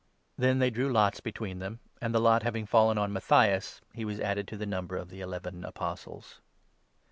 215 Then they drew lots between them ; and, the lot having fallen 26 on Matthias, he was added to the number of the eleven Apostles.